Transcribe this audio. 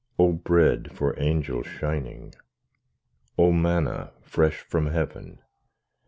O Bread for angels shining! O Manna fresh from heaven!